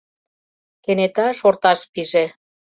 Кенета шорташ пиже.